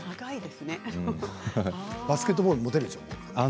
バスケットボール持てるでしょ。